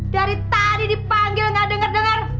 dari tadi dipanggil gak dengar dengar